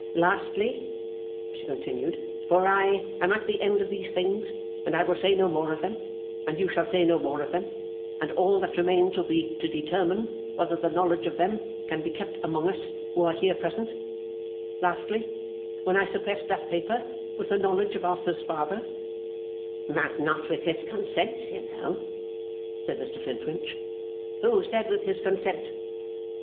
'Lastly,' she continued, 'for I am at the end of these things, and I will say no more of them, and you shall say no more of them, and all that remains will be to determine whether the knowledge of them can be kept among us who are here present; lastly, when I suppressed that paper, with the knowledge of Arthur's father ' 'But not with his consent, you know,' said Mr Flintwinch. 'Who said with his consent?